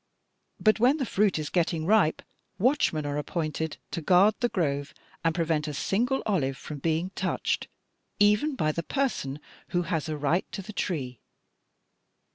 But when the fruit is getting ripe, watchmen are appointed to guard the grove and prevent a single olive from being touched even by the person who has a right to the tree.'